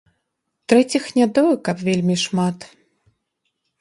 Трэціх не тое каб вельмі шмат.